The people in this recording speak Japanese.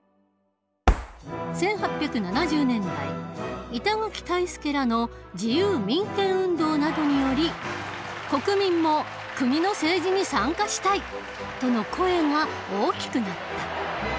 １８７０年代板垣退助らの自由民権運動などにより国民も「国の政治に参加したい！」との声が大きくなった。